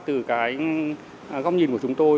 từ cái góc nhìn của chúng tôi